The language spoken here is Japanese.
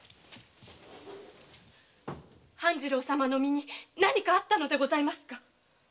半次郎様の身に何かあったのですか！？